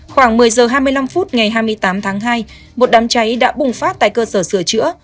khoảng một mươi h hai mươi năm phút ngày hai mươi tám tháng hai một đám cháy đã bùng phát tại cơ sở sửa chữa